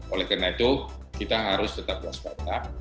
oleh karena itu kita harus tetap waspada